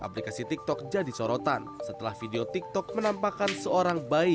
aplikasi tiktok jadi sorotan setelah video tiktok menampakkan seorang bayi